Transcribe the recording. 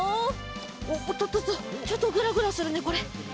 おっとっとっとちょっとぐらぐらするねこれ。